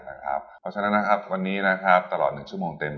เพราะฉะนั้นวันนี้ตลอด๑ชั่วโมงเต็ม